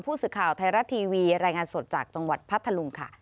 ผู้สื่อข่าวไทยรัฐทีวีรายงานสดจากจังหวัดพัทธลุงค่ะ